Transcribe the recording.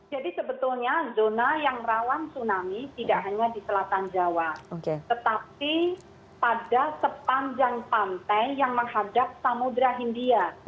jadi sebetulnya zona yang rawan tsunami tidak hanya di selatan jawa tetapi pada sepanjang pantai yang menghadap samudera hindia